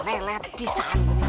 nenek pisah aneh